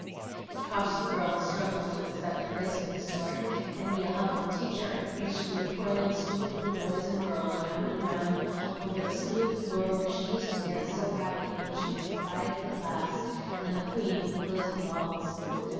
It cost the girl a struggle to accept a place of this sort and be a humble teacher, patiently twirling stupid little boys and girls round and round over the smooth floor where she used to dance so happily when she was the pride of the class and the queen of the closing balls.